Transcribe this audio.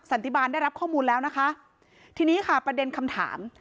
สันติบาลได้รับข้อมูลแล้วนะคะทีนี้ค่ะประเด็นคำถาม